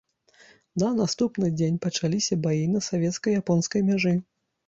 На наступны дзень пачаліся баі на савецка-японскай мяжы.